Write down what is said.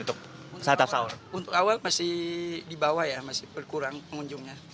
untuk awal masih di bawah ya masih berkurang pengunjungnya